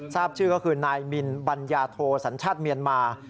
ทราบชื่อก็คือนายมินบัญญาโทสัญชาติเมียนมา